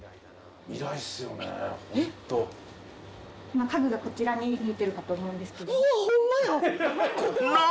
家具がこちらに見えてるかと思うんですけども。